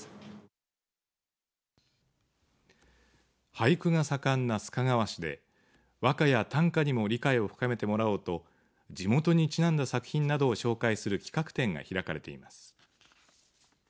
俳句が盛んな須賀川市で和歌や短歌にも理解を深めてもらおうと地元にちなんだ作品などを紹介する企画展が開かれています。